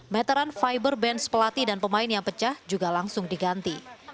meteran fiber bench pelatih dan pemain yang pecah juga langsung diganti